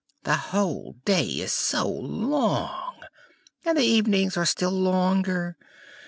The whole day is so long, and the evenings are still longer!